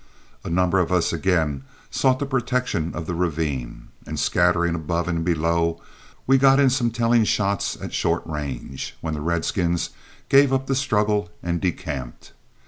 A number of us again sought the protection of the ravine, and scattering above and below, we got in some telling shots at short range, when the redskins gave up the struggle and decamped.